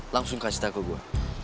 langsung kasih takut gue